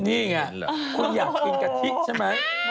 นี่แหละคุณอยากกินกะทิใช่ไหมโอ้โฮ